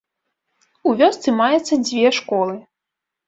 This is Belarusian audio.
У вёсцы маецца дзве школы.